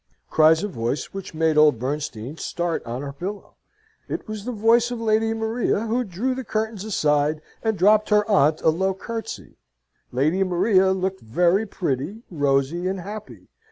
cries a voice which made old Bernstein start on her pillow. It was the voice of Lady Maria, who drew the curtains aside, and dropped her aunt a low curtsey. Lady Maria looked very pretty, rosy, and happy.